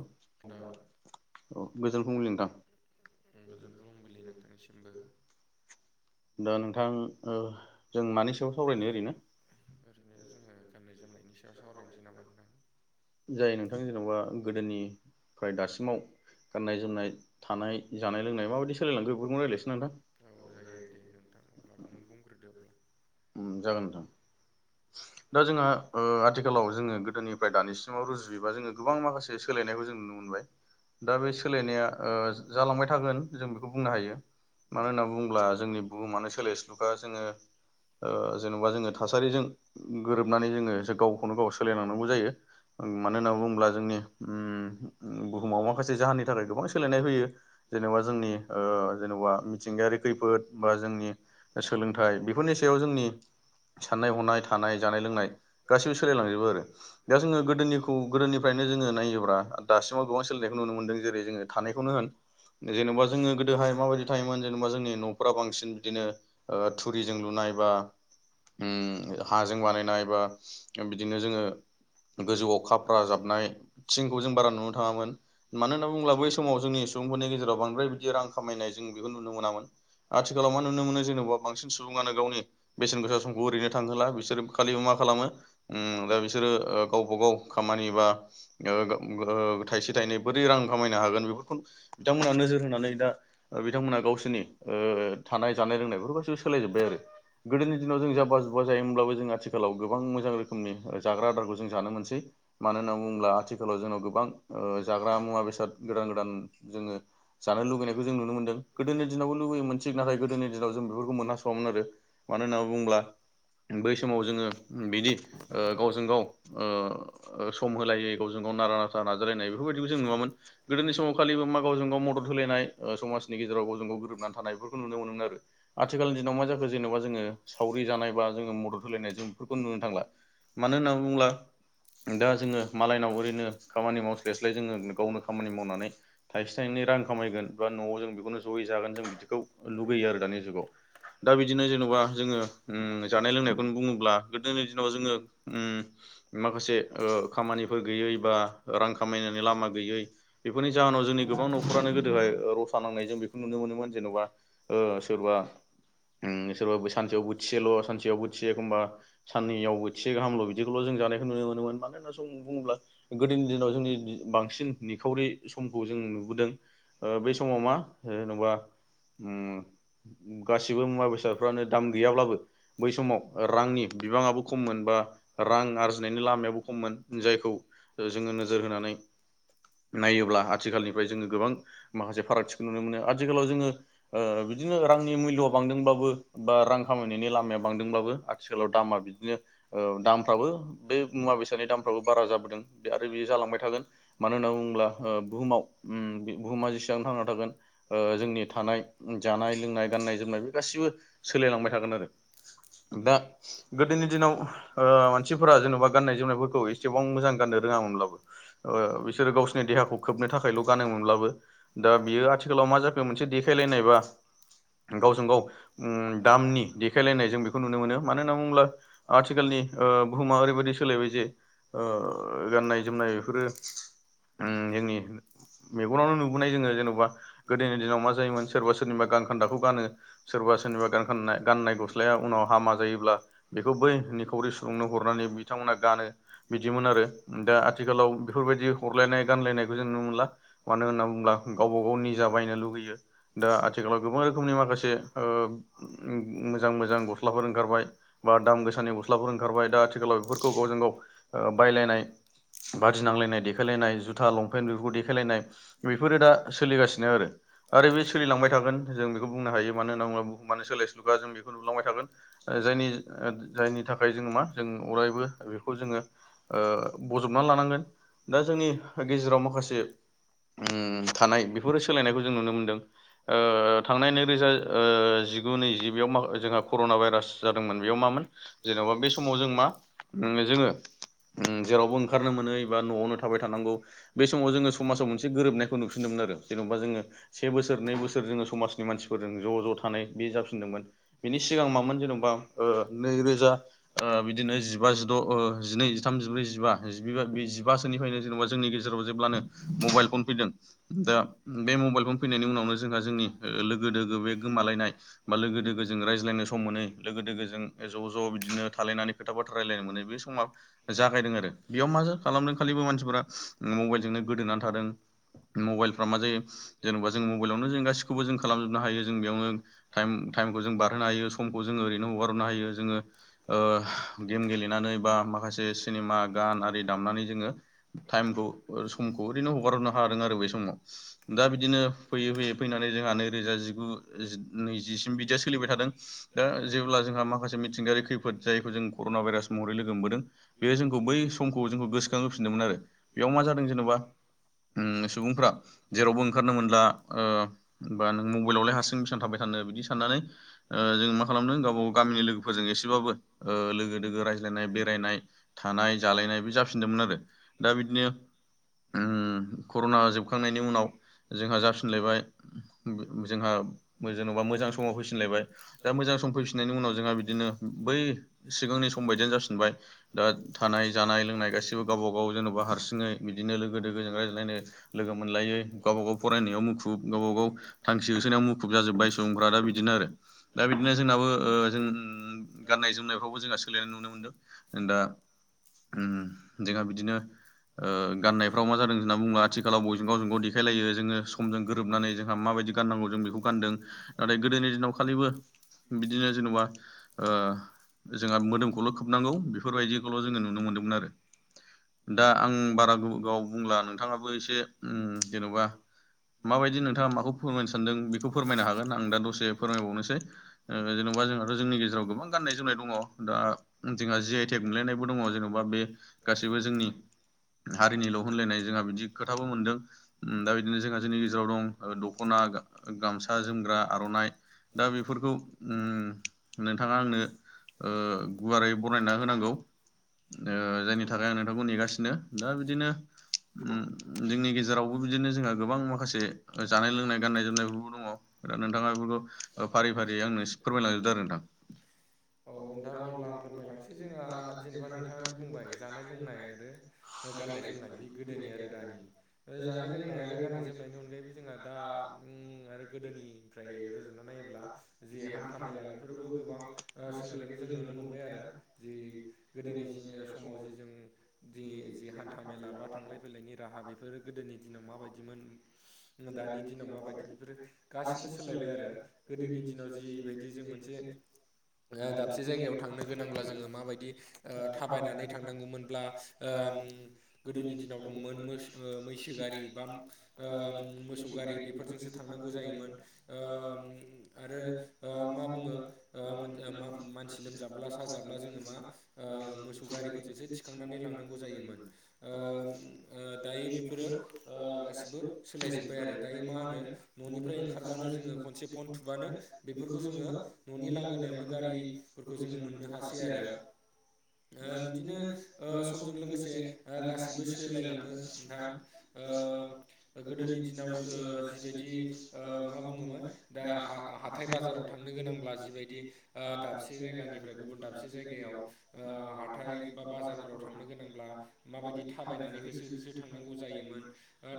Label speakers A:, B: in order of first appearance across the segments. A: औ गोजोन फुंबिलि नोंथां
B: गोजोन फुंबिलि नोंथांनिसिमबो
A: दा नोंथां ओ जों मानि सायाव सावरायनो ओरैनो
B: ओरैनो जोङो गाननाय-जोमनायनि सायाव सावरायनोसै नामा नोंथां
A: जायो नोंथां जेन'बा गोदोनिफ्राय दासिमाव गाननाय-जोमनाय, थानाय, जानाय-लोंनाय माबायदि सोलायलांखो बेफोरखौनो रायलायसैना नोंथां
B: औ जायो दे नोंथां अब्लाबो नों बुंग्रोदो अब्ला
A: ओम जागोन नोंथां दा जोंहा ओ आथिखालाव जोङो गोदोनिफाय दानिसिमाव रुजुयोबा जोङो गोबां माखासे सोलायनाय जों नुनो मोनबाय दा बे सोलायनाया ओ जालांबाय थागोन जों बेखौ बुंनो हायो मानो होनना बुङोब्ला जोंनि बुहुमानो सोलायस्लुखा जोङो ओ जेन'बा जोङो थासारिजों गोरोबनानै जोङो एसे गावखौनो गाव सोलायलांनांगौ जायो ओ मानो होनना बुङोब्ला जोंनि उम बुहुमाव माखासे जाहोननि थाखाय गोबां सोलायनाय फैयो जेन'बा जोंनि ओ जेन'बा मिथिंगायारि खैफोद बा जोंनि सोलोंथाइ बेफोरनि सा याव जोंनि साननाय-हनाय थानाय जानाय-लोंनाय गासिनो सोलायलांजोबो आरो दा जोङो गोदोनिखौ गोदोनिफ्रायनो जोङो नायोब्रा दासिमाव गोबां सोलिनायखौ नुनो मोनदों जेरै जोङो थानायखौनो होन जेन'बा जोङो गोदोहाय माबायदि थायोमोन जेनेबा जोंनि न'फ्रा बांसिन बिदिनो ओ थुरिजों लुनाय एबा ओम हाजों बानायनाय बा बिदिनो जोङो गोजौआव खाफ्रा जाबनाय थिंखौ जों बारा नुनो थाङामोन मानो होनना बुङोब्ला बै समाव जोंनि सुबुंफोरनि गेजेराव बांद्राय बिदि रां खामायनाय जों बेखौ नुनो मोनामोन आथिखालाव मा नुनो मोनो जेन'बा बांसिन सुबुङानो गावनि बेसेन गोसा समखौ ओरैनो थांहोला बिसोर खालिबो मा खालामो ओम दा बिसोरो गावबा गाव खामानि बा ओ ओ थायसे थायनै बोरै रां खामायनो हागोन बेफोरखौ बिथांमोना नोजोर होनानै दा बिथांमोना गाव नि ओ थानाय जानाय, लोंनाय बेफोर गसिबो सोलाय जोबबाय आरो गोदनि दिनाव जों जाबबा जुबबा जायोमोन जों आथिखालाव गोबां मोजां रखोमनि जाग्रा आदारखौ जों जानो मोनसै मानो होननानै बुङोब्ला आथिखालाव जोंनाव गोबां गोबां ओ जाग्रा मुवा बेसाद गोदान गोदान जोङो जानो लुुबैनायखौ जों नुनो मोनदों गोदोनि दि लुबैयोमोन नाथाय गोदोनि दिनाव जों बेफोरखौ मोनास'वामोन आरो मानो होननानै बुङोब्ला समाव जोङो बिदि ओ गावजों गाव ओ सम होलायै गावजों गाव नारा नाथा नाजालायनाय बेफोरबायदिखौ जों नुआमोन गोदोनि समाव खालिबो मा गावजों गाव ममद होलायनाय समाजनि गेजेराव गावजों गाव गोरोबना थानाय फोरखौ नुनो मोनोमोन आरो आथिखालनि दिनाव मा जाखो जेन'बा जोङो सावरि जानाय बा जोङो सोलायनाय जों बेफोरखौ नुनो थांला मानो होनना बुङोब्ला दा जोङो मालायनाव ओरैनो खामानि मावस्लायस्लाय जोङो गावनो खामानि मावनानै थाइसे थाइनै रां खामायगोन बा न'आव जों बेखौनो जयै जागोन जों बिदिखौ लुुबैयो आरो दानि जुगाव दा बिदिनो जेन'बा जोङो बेखौ बुङोब्ला गोदोनि दिनाव जोङो माखासे खामानिफोर गैयै बा रां खामायनायनि लामा गैयै बेफोरनि जाहोनाव जोंनि गोबां न'खरानो गोदोहाय रसा नांनाय जों बेखौ नुनो मोन [unintelligible] ओ सोरबा उम सोरबा सानसेआव मोनसे सानसेआव मोन ा साननैयावबो थसे गाम' बिल' जों जखौ ननो मोन म होनुोब गोदनि दिनाव जोंनि बांसिन निखावरि समखौ जों नुबोदों बै समाव मा जेनेबा गासिबो मुवा बेसादफ्रानो दाम गैयाब्लाबो बै समाव रांनि बिबाङाबो खममोन बा रां आरजिनायनि लामायाबो खममोन जायखौ जोङो नोजोर होनानै नायोब्ला आथिखालनिफ्राय जोङो गोबां माखासे फारागथिखौ नुनो मोनो आथिखालाव जोङो बिदिनो रांनि मुल्यआ बांदोंब्लाबो बा रां खामायनायनि लामाया बांदोंब्लाबो आथिखालाव दामा बिदिनो दामफ्राबो बे मुवा बेसादनि दामफ्राबो बारा जाबोदों बे आरो बे ज म होननानै बोब जसेबांांनाोन जोंनि थानाय जानाय लोंनाय गाननाय जोमनाय बे गासिबो सोलायलांबाय थागोन आरो दा गोदोनि दिनाव मानसिफोरा जेन'बा गाननाय जोमनायफोरखौ एसेबां मोजां गाननो ो बिसोरो गावसिनि देहाखौ खोबनो थाखायल' गबो दा बियो आथिालाव दे ग बेखौ नुनो मोनो मानो होननानै बुङोब्ला आथिखालनि बुहुमा ओरैबायाददि सोलायबाय जे गाननाय जोमनाय बेफोरो जोंनि मेगनावनो नुबोनाय जोङो जेन'बा गोदोनि दिनाव मा जायोमोन सोरबा सोरनिबा ग गान खान्दाखौ गानो सोरबा सोरनिबा ग गनाय उनाव हामा जायोब्ला बेखौ बै निखावरि सुदुंनो हरनानै बिथांमोना गानो बिदिमोन आरो दा आथिखालाव बेफोरबायदि हरलायनाय गानलायनायखौ जों नुनो मोनला मानो होनना बुङोब्ला गावबा गाव नि दवबायनो लुबैयो दा जेनबा गोबां रोखोमनि माखासे ओ मजां मोज ग गस्लाफोर ओंखारबाय बा दाम गोसानि गस्लाफोर ओंखारबाय दा आथिखालाव बेफोरखौ गावजों गाव बायलायनाय बादि नांलायनाय देखायलायनाय जुथा लंपेन्ट बेफोरखौ देखायलायनाय बेफोरो दा सोलिगासिनो आरो आरो बे सोलिलांबाय थागोन जों बेखौ बुंनो हायो मानो होनना बुङो माने सोलायस्लुगा जों बेखौ नुलांबाय थागोन जायनि जायनि थाखाय जों मा जों अरायबो बेखौ जोङो बजबनानै लानांगोन दा जोंनि गेजेराव माखासे थानाय बेफोरो सोलायनायखौ जों नुनो मोनदों थांनाय नैरोजा जिगु नैजिबयावा जोंहा कर'ना भाइरास जादोंमोन बेयाव मामोन जेन'बा बे समाव जों मा जोङो जेरावबो ओंखारनो मोनै बा न'आवनो थाबाय थानांगौ बे समाव जोङो समाजाव मोनसे गोरोबनायखौ नुफिनदोंमोन आरो जेनेबा जोङो से बोसोर नै बोसोर जोङो समाजनि मानसिफोरजों ज' ज' थानाय बे जाफिनदोंमोन सिगां मामोन जेनेबा ओ नैरोजा ओ बिदिनो जिबा जिद' ओ जिनै जिथाम जिब्रै जिबा बे जिबासोनिफ्रायनो जेनेबा जोंनि गेजेराव जेब्लानो मबाइल फन फैदों दा बे मबाइल फन फैनायनि उनावनो जोंहा जोंनि लोगो दोगो बे गोमालायनाय बा लोगो दोगो मोनै लोगोगोजों ज' ज' बिदिनो थालायनानै खोथाफोर रायलायनो मोन बे समा जा दों आरो बेयाव मा खालामनो थाखाय मानसिफोरा मबेलजोंनो गोदोनानै थादों मबाइल जेनबा जों मबाइलावनो जों गासिखौबो खालामजोबनो हायो जोङो बेयावनो ताइम ताइम जरैनो हारनो ज गेले सिनेमा गान आरि दामनानै जोङो टाइमखौ समखौ ओरैनो हगारहरनो हादों आरो बे समाव दा बिदिनो फैयै फैयै फैनानै जोंहा नैरोजा जिगु नैजिसिम बिदि। दा जेब्ला जोंहा माखासे मिथिंगायारि खैफोद जायखौ जों कर'ना भाइरास महरै लोगो मोनबोदों बे बे जोंखौ बै समखौ जोंखौ गोसोखां होफिनदोंमोन आरो बेयाव मा जादों जेन'बा सुबुंफ्रा जेरावबो ओंखारनो मोनला बा नों मबाइलावलाय हारसिं बेसेबां थाबाय थानो। मो बिदि साननानै। जों मा खालामदों गावबा गाव गामिनि लोगोफोरजों एसेबाबो लोगो दोगो रायज्लायनाय बेरायनाय। थानाय जालायनाय बे जाफिनदोंमोन आरो दा बिदिनो। जों कर'ना जोबखांनायनि उनाव जोंहा जाफिनलायबाय जोंहा जेन'बा मोजां समा फैफिनलायबाय। दा मोजां सम फैफिननायनि उनाव जोंहा बिदिनो बै सिगांनि सम बायदियानो जाफिनबाय दा। थानाय जानाय लोंनाय गासिबो गावबा गाव जेन'बा हारसिङै बिदिनो लोगो दोगोजों रायज्लायनो लोगो मोनलाय। गावबा गाव फरायनायाव मुखुब गावब गाव थांखि होसोनायाव मुखुब जाजोबबाय सुबुंफोरा दा बिदिनो आरो दा बिदिनो जोंनाबो जों गान्नाय जोमनायफ्रावबो जोंहा सोलायनाय नुनो मोन्दों दा। उम जोंहा बिदिनो। गाननायफ्राव मा जादों होनना बुङो आथिखालाव बयबो गावजों गाव देखायलायो जोङो समजों गोरोबनानै जोंहा माबायदि। गानांग जोमनांग बेखौ गानदों नाथाय गोदोनि दिनाव खालिबो बिदिनो जेनेबा जोंहा मोदोमखौल' खोबनांगौ बेफोरबायदिखौल' जोङो नुनो मोन्दोंमोन आरो।
B: [unintelligible]
A: दा आं बारा गोबाव बुंला नोंथाङाबो एसे जेन'बा। माबायदि नोंथाङा माखौ फोरमायनो सानदों बेखौ फोरमायनो हागोन आं दा दसे फोरमायबावनोसै। जेन'बा जोंहाथ' जोंनि गेजेराव गोबां गाननाय जोमनाय दङ दा जोंहा जि आइ टेक मोनलायनायबो दङ जेनेबा। बे गासैबो जोंनि हारिनिल' होनलायनाय जोंहा बिदि खोथाबो मोनदों दा बिदिनो जोंहा जोंनि गेजेराव दं दख'ना। गामसा जोमग्रा आर'नाइ दा बेफोरखौ
B: उम।
A: नोंथाङा आंनो ओ गुवारै बरनायना होनांगौ। जायनि थाखाय आं नोंथांखौ नेगासिनो दा बिदिनो जोंनि गेजेरावबो बिदिनो जोंहा गोबां माखासे जानाय-लोंनाय गाननाय जोमनायफोरबो दङ दा नोंथाङा बेफोरखौ फारि फारियै आंनो फोरमायलांजोबदो आरो नोंथां।
B: औ नोंथां अब्ला आं फोरमायलांनोसै जोंहा जेनेबा नोंथाङा दि बुंबाय जानाय लोंनाय आरो। गाननाय-जोमनाय बे गोदोनि आरो दानि जानाय लोंनाय आरो गाननाय जोमनायनि अनगायैबो जोंहा दा आरो गोदोनिफ्राय रुजुना नायोब्ला जि हान्था मेला बेफोरबो गोबां सोलायनायखौ जों नुनो मोनबाय आरो जि गोदोनि समाव जि जों हानथा मेला बा थांलाय फैलाय राहा बेफोर गोदोनि दिनाव माबायदिमोन दानि दिनाव माबायदि। बेफोर गासिबो सोलायबाय आरो गोदोनि दिनाव जिबायदि जों मोनसे। दाबसे जायगायाव थांनो गोनांब्ला जोङो माबायदि थाबायनानै थांनांगौमोनब्ला। गोदोनि दिनाव दंमोन मैसो गारि बा मोसौ गारि बेफोरजों बिदिजों थांनांग जायोमोन। आरो मा बुङो मानसि लोमजाब्ला साजाब्ला जोङो मा मोसौ गारिफोरजोंसो थिखांनानै लांनांगौ जायोमोन दायो बेफोरो गासिबो सोलाय जोब्बाय आरो दायो मा होनो न'निफ्राय ओंखारबानो। जोंङो खनसे फन थुुबानो बेफोरखौ जोङो न'नि लांगोनायावनो गारिफोरखौ जोङो मोननो हासै आरो। बिदिनो समजों लोगोसे। गासिबो सोलायलाङो नोंथां गोदोनि दिनाव जिबायदि ओ मा बुंङोमोन दा हा हाथाय बाजाराव थांनो गोनांब्ला जिबायदि ओ दाबसे जायगानिफ्राय गुबुन दाबसे जायगायाव ओ हाथाय बा बाजारफोराव थांनो गोनांब्ला माबायदि थाबायनानै होसो होसो थांनांगौ जायोमोन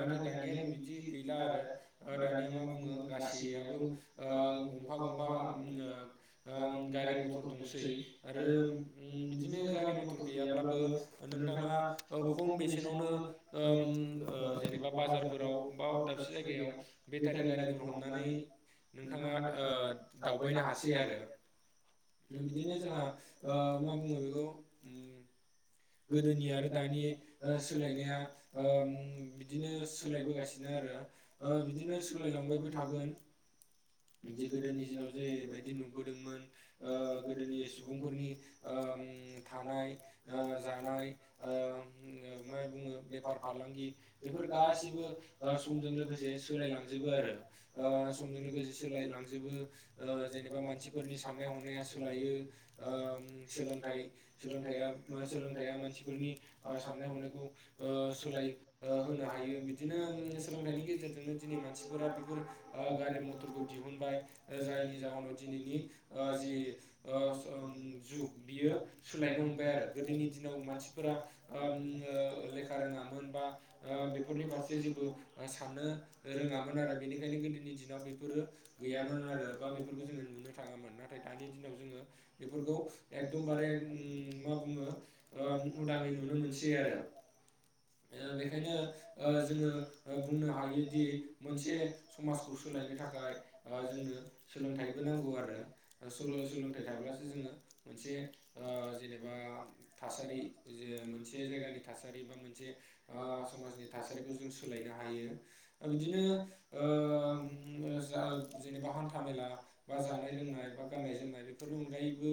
B: नाथाय दानिया बिदि गैला आरो दानिया मा बुङो गासैहाबो गंफा गंफा ओ गारि मथर दंसै आरो बिदिनो गारि मथर गैयाब्लाबो नोंथाङा खम बेसेनावनो ओ उम ओ जेनेबा बाजारफोराव बा दाबसे जायगायाव बे टारि गारिफोर हमनानै नोंथाङा ओ दावबायनो हासै आरो बिदिनो जोंहा ओ मा बुङो बेखौ उम
A: [unintelligible]
B: दानि ओ सोलायनाया ओ बिदिनो सोलायबोगासिनो आरो ओ बिदिनो सोलायलांबायबो थागोन जे गोदोनि दिनाव जेबायदि नुबोदोंमोन ओ गोदोनि सुबुंफोरनि ओ उम थानाय ओ जानाय ओ मा बुङो बेफार फालांगि बेफोर गासिबो ओ समजों लोगोसे सोलायलांजोबो आरो ओ ओ समजों लोगोसे सोलायलांजोबो ओ जेनेबा मानसिफोरनि साननाय हनाया सोलायो ओ सोलों थाइ सोलोंथाइया सोलोंथाइया मानसिफोरनि ओ साननाय हनायखौ ओ सोलाय होनो हायो बिदिनो सोलोंथाइनि गेजेरजोंनो जोंनि मानसिफोरा बेफोर ओ गारि मथरखौ दिहुनबाय जायनि जाहोनाव दिनैनि ओ जि जुग बियो सोलायनो हमबाय आरो गोदोनि दिनाव मानसि फोरा ओ लेखा रोङामोन बा ओ बेफोरनि फारसे जेबो साननो रोङामोन आरो बेनिखायनो गोदोनि दिनाव बे फोरो गैयामोन आरो बा बेफोरखौ जोङो नुनो थाङामोन नाथाय दानि दिनाव जोङो बेफोरखौ एखदमबारे उम मा बुङो उदाङै नुनो मोनसै आरो ओ बेखायनो ओ जोङो बुंनो हायोदि मोनसे समाजखौ सोलायनो था खाय ओ जोंनो सोलोंथाइबो नांगौ आरो सोलोंथाइ थाब्लासो जोङो मोनसे ओ जेनेबा थासारि जे मोनसे जायगानि थासारि बा मोनसे ओ समाजनि थासारिखौ जों सोलायनो हायो बिदिनो ओ उम जेनेबा हान्था मेला बा जानाय लोंनाय बा गाननाय जोमनाय बेफोरनि अनगायैबो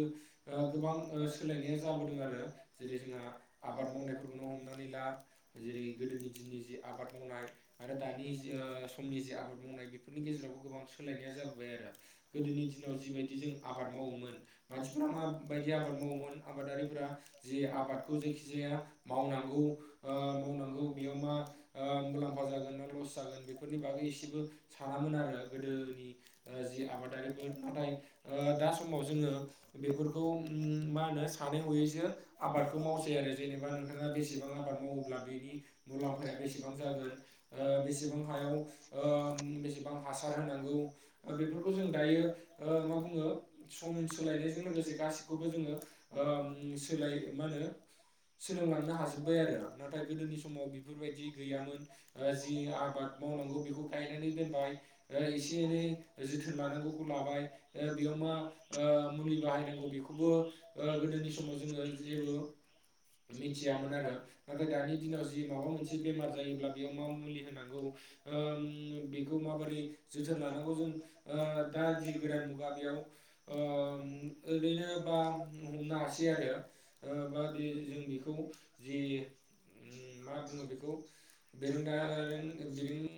B: ओ गोबां सोलायनाया जाबोदों आरो जेरै जोंहा आबाद मावनायफोरखौनो हमनानै ला जेरै गोदोनि दिननि जि आबाद मावनाय आरो दानि समनि जे आबाद मावनाय बेफोरनि गेजेरावबो गोबां सोलायनाया जाबोबाय आरो गोदोनि दिनाव जिबायदि जों आबाद मावोमोन मानसिफोरा माबायदि आबाद मावोमोन आबादारिफोरा जे आबाद खौ जेखि जाया मावनांगौ ओ मावनांगौ बेयाव मा मुलाम्फा जागोन मा लस जागोन बेफोरनि बागै एसेबो सानामोन आरो गोदोनि जि आबादारिफोर नाथाय ओ दा समाव जोङो बेफोरखौ उम मा होनो सानै हयैसो आबाद खौ मावसै आरो जेनेबा नोंथाङा बेसेबां आबाद मावोब्ला बेनि मुलाम्फाया बेसेबां जागोन ओ बेसेबां हायाव ओ बेसेबां हा सार होनांगौ बेफोरखौ जों दायो ओ मा बुङो सम सोलायनायजों लोगोसे गासि खौबो जोङो ओ सोलाय मा होनो सोलोंलांनो हाजोब्बाय आरो नाथाय गोदोनि समाव बेफोरबायदि गैयामोन ओ जि आबाद माव नांगौ बेखौ गायनानै दोनबाय एसे एनै जोथोन लानांगौखौ लाबाय बेयाव मा ओ मुलि बाहायनांगौ बे खौबो ओ गोदोनि समाव जोङो जेबो
A: मिथियामोन आरो नाथाय दानि दिनाव माबा मोनसे बेमार जायोब्ला बे मा मुलि होनांगौ बेखौ माबोरै जोथोन लानांगौ जों दा जि गोदान मुगा बेयाव ओरैनो बा हमनो हासै आरो बा बे जों बेखौ जि मा बुङो बेखौ दोरोङारि आरो